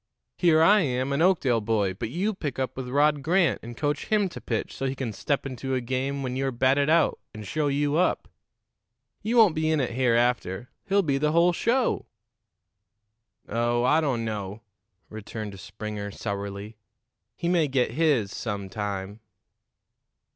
Here I am, an Oakdale boy, but you pick up with Rod Grant and coach him to pitch so he can step into a game when you're batted out and show you up. You won't be in it hereafter; he'll be the whole show." "Oh, I don't know," returned Springer sourly. "He may get his some time."